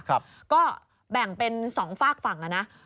ครับก็แบ่งเป็นสองฝากฝั่งอ่ะน่ะ